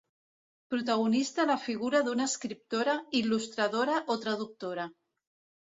Protagonista la figura d'una escriptora, il·lustradora o traductora.